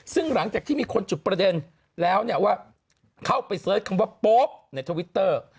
ซึ่งหลังจากที่มีคนจุดประเด็นแล้วเนี่ยว่าเข้าไปเสิร์ชคำว่าโป๊ปในทวิตเตอร์